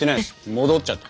戻っちゃった。